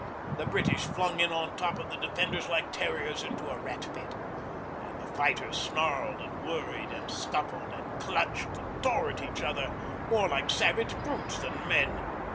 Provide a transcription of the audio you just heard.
The British flung in on top of the defenders like terriers into a rat pit, and the fighters snarled and worried and scuffled and clutched and tore at each other more like savage brutes than men.